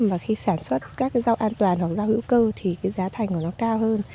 và khi sản xuất các cái rau an toàn hoặc rau hữu cơ thì cái giá thành của nó cao hơn